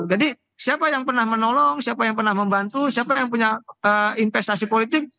jadi siapa yang pernah menolong siapa yang pernah membantu siapa yang punya investasi politik